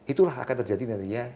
itulah akan terjadi nantinya